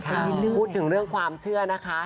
พูดถึงเรื่องความเชื่อนะคะ